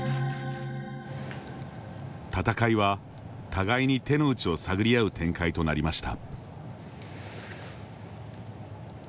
戦いは互いに手の内を探り合う展開となりました。